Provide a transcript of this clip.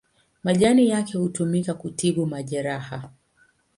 Majani yake hutumika kutibu majeraha.